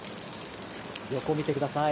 横を見てください。